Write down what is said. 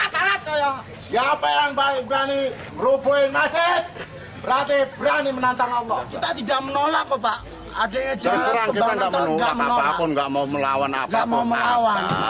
terus terang kita gak menunggu apapun gak mau melawan apapun